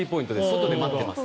外で打ってます。